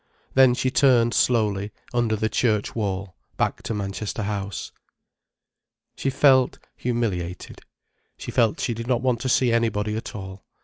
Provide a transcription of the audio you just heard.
Then she turned slowly, under the church wall, back to Manchester House. She felt humiliated. She felt she did not want to see anybody at all.